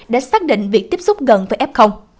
để xác định việc tiếp xúc gần với f